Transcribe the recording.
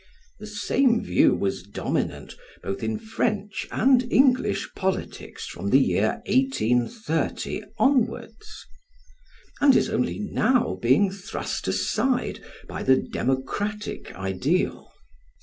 The same view was dominant both in French and English politics from the year 1830 onwards, and is only now being thrust aside by the democratic ideal.